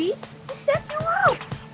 dia set you up